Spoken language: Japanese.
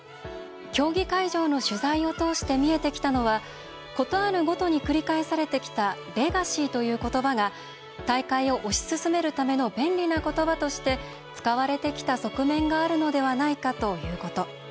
競技会場の取材を通して見えてきたのはことあるごとに繰り返されてきた「レガシー」ということばが大会を推し進めるための便利なことばとして使われてきた側面があるのではないかということ。